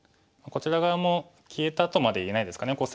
こちら側も消えたとまで言えないですかね。